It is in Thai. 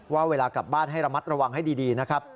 ว่าเวลากลับบ้านให้ระมัดระวังให้ดีนะครับ